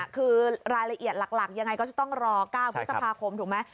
คือรายละเอียดหลักยังไงก็จะต้องรอ๙พฤษภาคมถูกไหม